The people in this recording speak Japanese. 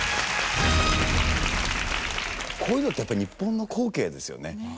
こういうのってやっぱり日本の光景ですよね。